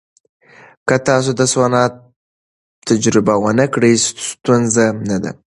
که تاسو د سونا تجربه ونه کړئ، ستونزه نه ده.